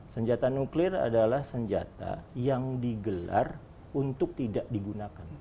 senjata nuklir adalah senjata yang digelar untuk tidak digunakan